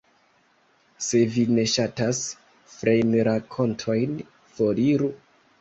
Se vi ne ŝatas feinrakontojn, foriru.